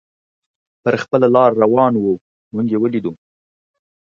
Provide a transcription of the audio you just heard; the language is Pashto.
پر خپله لار روان و، موږ یې ولیدو.